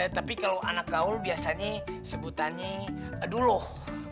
tapi kalau anak gaul biasanya sebutannya dulu